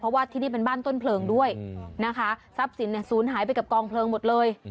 เพราะว่าที่นี่เป็นบ้านต้นเพลิงด้วยนะคะทรัพย์สินเนี่ยศูนย์หายไปกับกองเพลิงหมดเลย